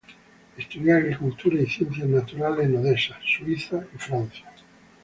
Estudió agricultura y ciencias naturales en Odessa, Suiza y Francia.